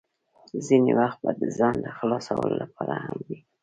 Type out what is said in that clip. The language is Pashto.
ځینې وخت به د ځان خلاصولو لپاره هم وې.